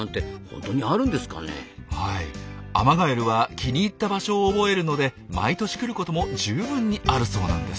アマガエルは気に入った場所を覚えるので毎年来ることも十分にあるそうなんです。